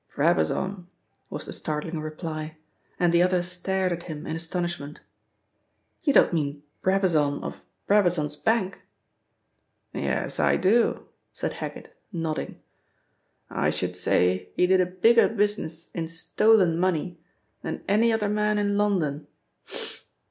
"Brabazon," was the startling reply, and the other stared at him in astonishment. "You don't mean Brabazon of Brabazon's Bank?" "Yes, I do," said Heggitt, nodding. "I should say he did a bigger business in stolen money than any other man in London.